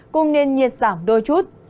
cùng nền nhiệt giảm đôi chút